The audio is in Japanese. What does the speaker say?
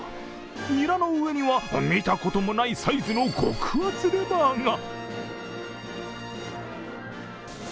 ニラの上には見たこともないサイズの極厚レバーが。